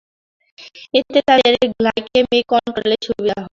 এতে তাদের গ্লাইকেমিক কন্ট্রোলে সুবিধা হয়।